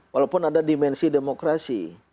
walaupun ada dimensi demokrasi